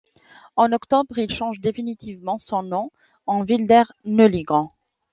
En octobre, il change définitivement son nom en Wilder-Neligan.